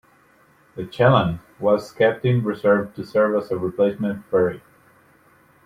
The "Chelan" was kept in reserve to serve as replacement ferry.